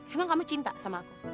emang kamu cinta sama aku